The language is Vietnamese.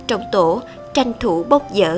trong tổ tranh thủ bốc dở